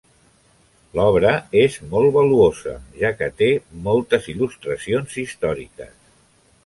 L'obra és molt valuosa, ja que té moltes il·lustracions històriques.